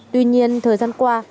tuy nhiên thời gian qua